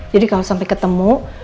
jadi kalau sampai ketemu